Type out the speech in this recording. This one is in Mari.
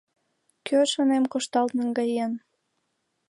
Кӧ, шонем, коштал наҥгаен?..»